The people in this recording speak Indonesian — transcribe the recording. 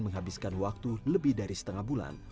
menghabiskan waktu lebih dari setengah bulan